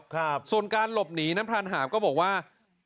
ทางหลบหนีน้ำพลานหาพก็บอกว่า